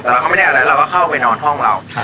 แต่เราก็ไม่ได้อะไรแล้วเราก็เข้าไปนอนห้องเรา